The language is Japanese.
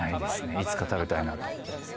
いつか食べたいなと思います。